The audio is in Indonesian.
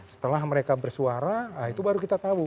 setelah mereka bersuara itu baru kita tahu